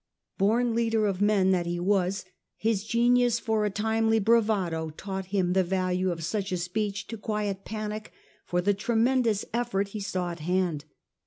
Born leader of men that he was, his genius for a timely bravado taught him the value of sucH a speech to quiet panic for the tremendous effort he saw at hand.